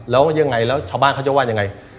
แล้วยังไงแล้วชาวบ้านเขาจะว่ายังไง